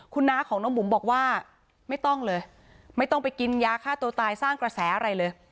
คุณน้าของน้องบุ๋มบอกว่าไม่ต้องเลยไม่ต้องไปกินยาฆ่าตัวตายสร้างกระแสอะไรเลย